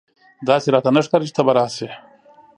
داسي راته نه ښکاري چې ته به راسې !